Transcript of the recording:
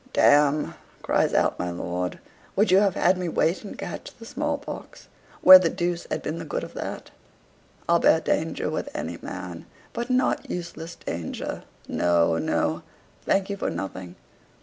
"Damme!" cries out my lord; "would you have had me wait and catch the small pox? Where the deuce had been the good of that? I'll bear danger with any man but not useless danger no, no. Thank you for nothing.